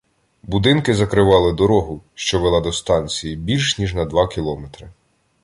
Будинки закривали дорогу, що вела до станції, більш ніж на два кілометри.